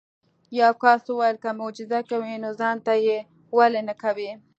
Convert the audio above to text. یو کس وویل که معجزه کوي نو ځان ته یې ولې نه کوې.